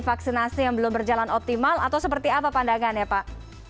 vaksinasi yang belum berjalan optimal atau seperti apa pandangannya pak